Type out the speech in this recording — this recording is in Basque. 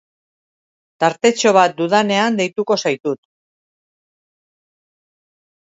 Tartetxo bat dudanean deituko zaitut.